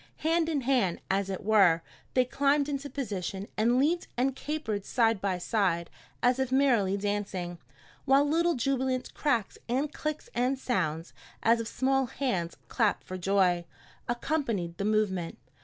Hand in hand, as it were, they climbed into position, and leaped and capered side by side as if merrily dancing, while little jubilant cracks and clicks and sounds, as of small hands clapped for joy, accompanied the movement.